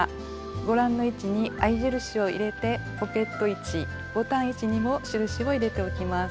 ご覧の位置に合い印を入れてポケット位置ボタン位置にも印を入れておきます。